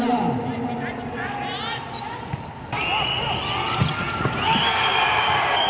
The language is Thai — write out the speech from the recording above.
สุดท้ายสุดท้าย